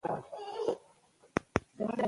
په دامونو کي یې کښېوتل سېلونه